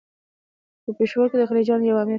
په پېښور کې د خلجیانو یو امیر.